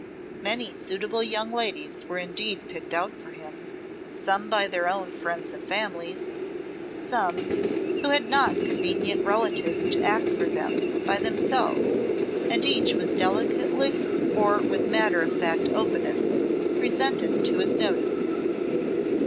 Many suitable young ladies were indeed picked out for him, some by their own friends and families, some who had not convenient relatives to act for them by themselves, and each was delicately or with matter of fact openness presented to his notice.